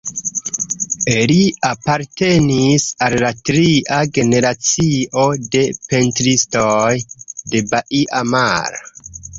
Li apartenis al la tria generacio de pentristoj de Baia Mare.